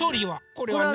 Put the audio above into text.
これはね